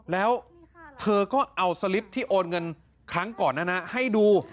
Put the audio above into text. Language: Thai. แล้วเธอก็เอาสลิปที่โอนเงินครั้งก่อนนั้นให้ดู